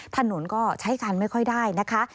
ถนนก็ใช้การไม่ค่อยได้นะคะ